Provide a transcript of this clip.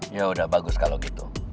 ya udah bagus kalau gitu